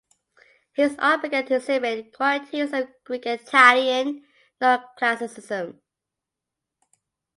His art began to exhibit qualities of Greek and Italian Neoclassicism.